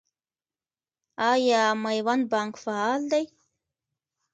آیا میوند بانک فعال دی؟